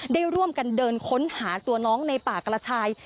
ได้ร่วมกันเดินค้นหาตัวน้องในป่ากระชาย